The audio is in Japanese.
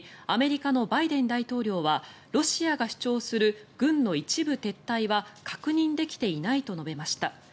アメリカのバイデン大統領はロシアが主張する軍の一部撤退は確認できていないと述べました。